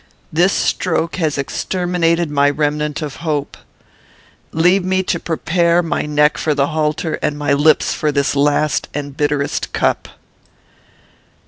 This stroke has exterminated my remnant of hope. Leave me to prepare my neck for the halter, and my lips for this last and bitterest cup."